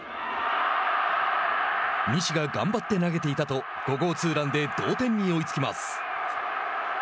西が頑張って投げていたと５号ツーランで同点に追いつきます。